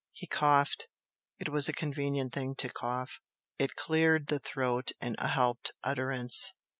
He coughed it was a convenient thing to cough it cleared the throat and helped utterance.